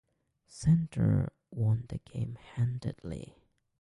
Centre won the game handily.